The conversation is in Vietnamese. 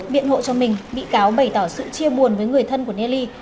biện hộ cho mình bị cáo bày tỏ sự chia buồn với người thân của nely